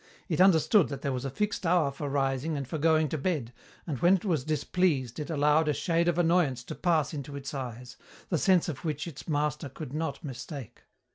It understood that there was a fixed hour for rising and for going to bed, and when it was displeased it allowed a shade of annoyance to pass into its eyes, the sense of which its master could not mistake.